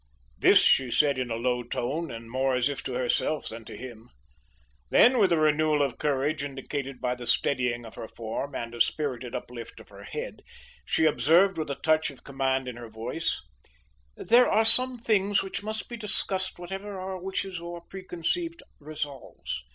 This she said in a low tone and more as if to herself than to him. Then, with a renewal of courage indicated by the steadying of her form and a spirited uplift of her head, she observed with a touch of command in her voice: "There are some things which must be discussed whatever our wishes or preconceived resolves.